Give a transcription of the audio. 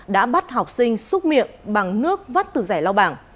đã bắt học sinh xúc miệng bằng nước vắt từ rẻ lau bảng